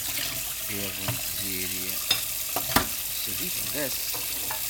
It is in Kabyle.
Iḍ n tziri, ḥseb-it d ass.